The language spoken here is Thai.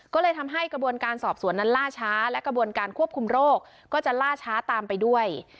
ก็เลยทำให้กระบวนการสอบสวนนั้นล่าช้าและกระบวนการควบคุมโรคก็จะล่าช้าตามไปด้วย